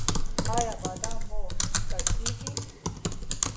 ایا بادام مو پړسیږي؟